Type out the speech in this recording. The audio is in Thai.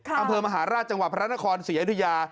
ค่ะอำเภอมหาราชจังหวะพระรรณคลสุยธุญา